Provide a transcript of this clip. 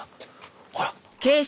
ほら。